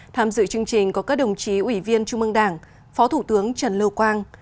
tham dự chương trình có các đồng chí ủy viên trung ương đảng phó thủ tướng trần lưu quang